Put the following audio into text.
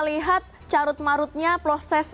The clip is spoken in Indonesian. lihat carut marutnya proses